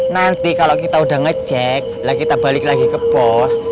nanti kalau kita udah ngecek kita balik lagi ke pos